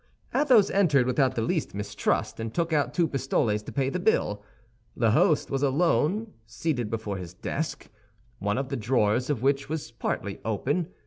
Athos entered without the least mistrust, and took out two pistoles to pay the bill. The host was alone, seated before his desk, one of the drawers of which was partly open.